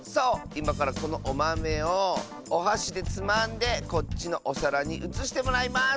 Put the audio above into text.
いまからこのおまめをおはしでつまんでこっちのおさらにうつしてもらいます！